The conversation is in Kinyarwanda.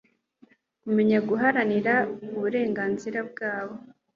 kumenya guharanira uburenganzira bwabo,